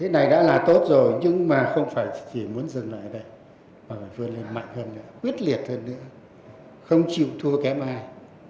và phải vươn lên mạnh hơn nữa quyết liệt hơn nữa không chịu thua kém ai